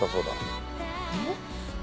えっ？